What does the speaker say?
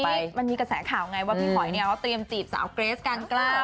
เพราะก็มันมีกระแสข่าวน่ะว่าพี่หอยเตือนจีบสาวเกรซการ์นเกล้า